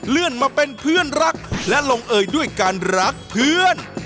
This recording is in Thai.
มาเป็นเพื่อนรักและลงเอยด้วยการรักเพื่อน